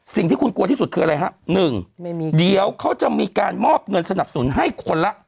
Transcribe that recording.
สิ่งที่คุณกลัวที่สุดคืออะไรฮะหนึ่งเดี๋ยวเขาจะมีการมอบเงินสนับสนุนให้คนละ